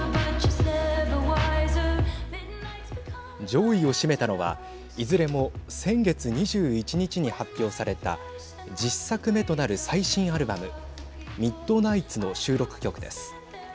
上位を占めたのは、いずれも先月２１日に発表された１０作目となる最新アルバムミッドナイツの収録曲です。